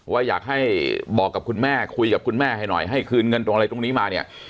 ว่าอยากให้บอกกับคุณแม่คุยกับคุณแม่ให้หน่อยให้คืนเงินตรงอะไรตรงนี้มาเนี่ย